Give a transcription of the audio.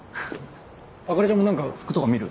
朱里ちゃんも何か服とか見る？